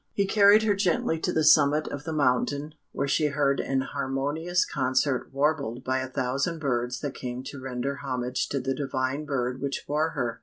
He carried her gently to the summit of the mountain, where she heard an harmonious concert warbled by a thousand birds that came to render homage to the divine bird which bore her.